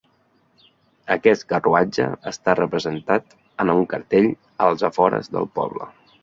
Aquest carruatge està representat en un cartell als afores del poble.